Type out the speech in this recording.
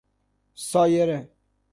سایره